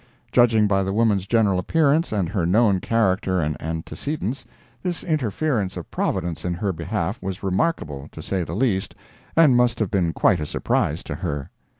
Judging by the woman's general appearance, and her known character and antecedents, this interference of Providence in her behalf was remarkable, to say the least, and must have been quite a surprise to her.